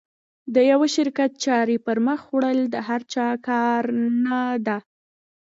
د یوه شرکت چارې پر مخ وړل د هر چا کار نه ده.